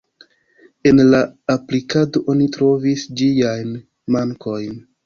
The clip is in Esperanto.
En la aplikado oni trovis ĝiajn mankojn.